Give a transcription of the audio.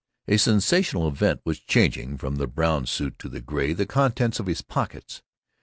A sensational event was changing from the brown suit to the gray the contents of his pockets.